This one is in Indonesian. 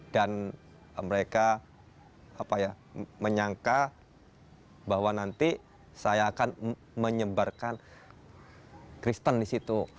dan mereka apa ya menyangka bahwa nanti saya akan menyebarkan kristen di situ